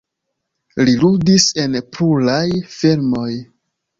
Li ludis en pluraj filmoj.